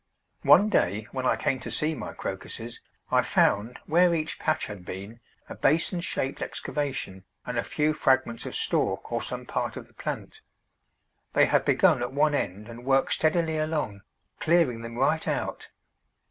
One day when I came to see my Crocuses, I found where each patch had been a basin shaped excavation and a few fragments of stalk or some part of the plant. They had begun at one end and worked steadily along, clearing them right out.